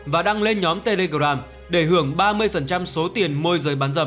và đăng lên nhóm telegram để hưởng ba mươi số tiền môi giới bán dâm